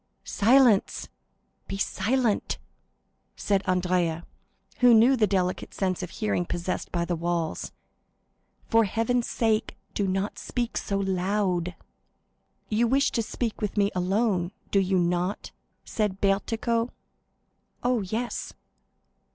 "Silence,—be silent!" said Andrea, who knew the delicate sense of hearing possessed by the walls; "for Heaven's sake, do not speak so loud!" "You wish to speak with me alone, do you not?" said Bertuccio. "Oh, yes."